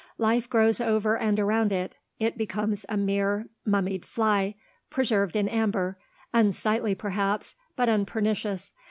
Life grows over and around it. It becomes a mere mummied fly, preserved in amber; unsightly perhaps; but unpernicious.